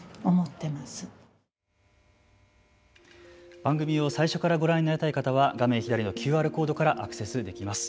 番組を最初からご覧になりたい方は画面左のＱＲコードからアクセスできます。